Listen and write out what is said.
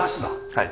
はい。